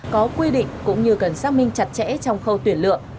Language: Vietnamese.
có quy định cũng như cần xác minh chặt chẽ trong khâu tuyển lựa